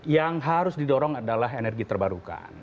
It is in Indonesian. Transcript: yang harus didorong adalah energi terbarukan